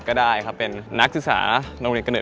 ขอต้อนรับนะคะน้องเอเนต